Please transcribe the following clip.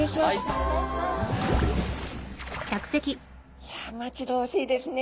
いや待ち遠しいですね。